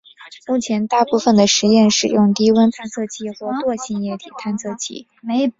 目前大部分的实验使用低温探测器或惰性液体探测器。